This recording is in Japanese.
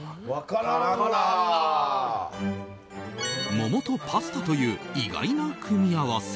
桃とパスタという意外な組み合わせ。